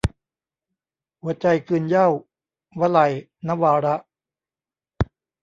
หัวใจคืนเหย้า - วลัย นวาระ